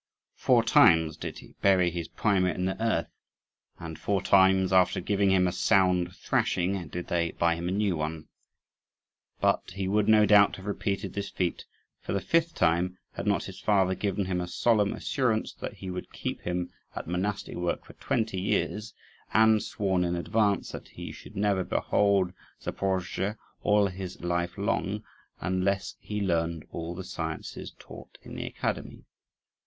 Four times did he bury his primer in the earth; and four times, after giving him a sound thrashing, did they buy him a new one. But he would no doubt have repeated this feat for the fifth time, had not his father given him a solemn assurance that he would keep him at monastic work for twenty years, and sworn in advance that he should never behold Zaporozhe all his life long, unless he learned all the sciences taught in the academy.